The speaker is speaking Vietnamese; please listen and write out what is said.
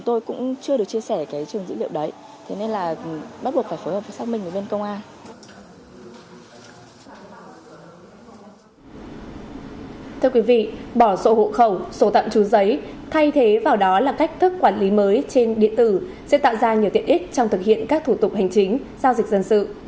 thưa quý vị bỏ sổ hộ khẩu sổ tạm trú giấy thay thế vào đó là cách thức quản lý mới trên điện tử sẽ tạo ra nhiều tiện ích trong thực hiện các thủ tục hành chính giao dịch dân sự